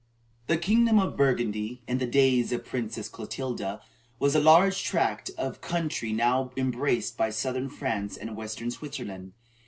The kingdom of Burgundy, in the days of the Princess Clotilda, was a large tract of country now embraced by Southern France and Western Switzerland.